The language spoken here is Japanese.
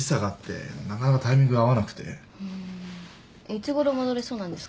いつごろ戻れそうなんですか？